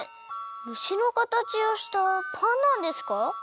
むしのかたちをしたパンなんですか？